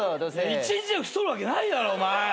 １日で太るわけないだろお前！